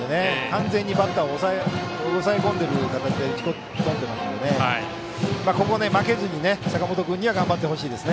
完全にバッターを抑え込んでいる形で打ち取っていますのでここで負けずに坂本君には頑張ってほしいです。